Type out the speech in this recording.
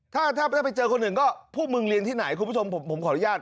ถ้าถ้าไปเจอคนอื่นก็พวกมึงเรียนที่ไหนคุณผู้ชมผมขออนุญาต